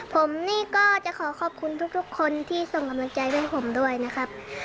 ผมนี่ก็จะขอขอบคุณทุกคนที่ส่งกำลังใจให้ผมด้วยนะครับ